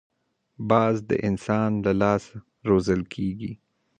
باز د انسان له لاس روزل کېږي